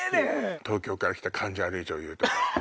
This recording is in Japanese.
東京から来た感じ悪い女優とか。